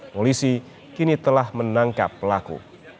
polisi kini telah menangkap pelaku